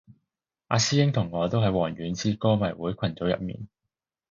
阿師兄同我都喺王菀之歌迷會群組入面